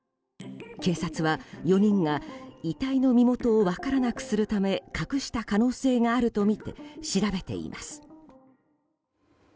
警察は４人が遺体の身元を分からなくするため隠した可能性があるとみて調べています。